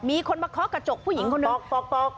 มีคนมาเคาะกระจกผู้หญิงคนหนึ่งป๊อกป๊อกป๊อก